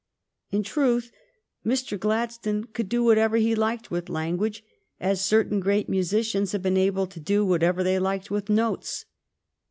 In truth, Mr. Gladstone could do whatever he liked with language, as certain great musicians have been able to do whatever they like with notes.